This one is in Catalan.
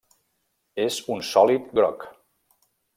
És un sòlid groc.